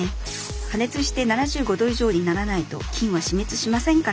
加熱して７５度以上にならないと菌は死滅しませんから。